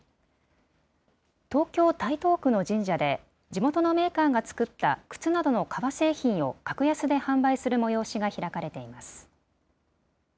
東京・台東区の神社で、地元のメーカーが作った靴などの革製品を格安で販売する催しが開かれています。